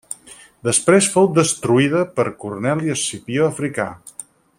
Després fou destruïda per Corneli Escipió Africà.